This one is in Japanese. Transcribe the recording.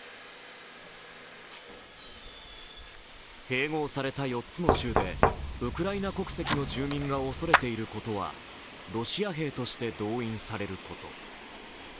併合された４つの州でウクライナ国籍の住民が恐れていることはロシア兵として動員されること。